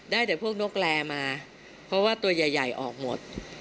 ได้แต่พวกนกแรมาเพราะว่าตัวใหญ่ออกหมด